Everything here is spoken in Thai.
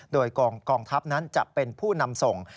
โดยกองทัพนั้นจะเป็นผู้นำส่ง